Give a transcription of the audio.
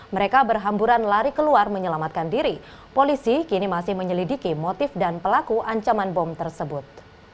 mereka berhamburan lari keluar menyelamatkan diri polisi kini masih menyelidiki motif dan pelaku ancaman bom tersebut